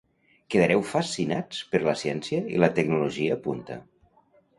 Quedareu fascinats per la ciència i la tecnologia punta.